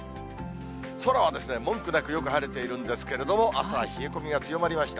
空は文句なくよく晴れているんですけれども、朝は冷え込みが強まりました。